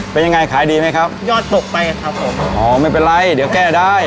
เป็นยังไงขายดีไหมครับยอดตกไปครับผมอ๋อไม่เป็นไรเดี๋ยวแก้ได้